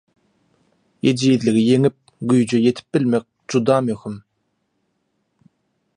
Ejizligi ýeňip güýje ýetip bilmek juda möhüm.